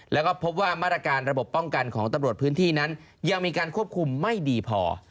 แล้วก็พบว่ามาตรการระบบป้องกันของตำรวจพื้นที่นั้นยังมีการควบคุมไม่ดีพอ